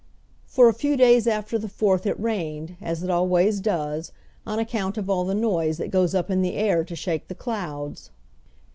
For a few days after the Fourth it rained, as it always does, on account of all the noise that goes up in the air to shake the clouds.